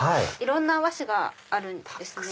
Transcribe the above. いろんな和紙があるんです。